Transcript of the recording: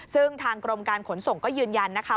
ซึ่งทางกรมการขนส่งก็ยืนยันนะคะ